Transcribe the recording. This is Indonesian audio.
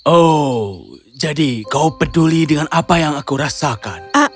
oh jadi kau peduli dengan apa yang aku rasakan